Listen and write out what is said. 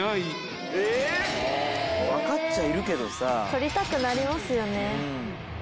取りたくなりますよね。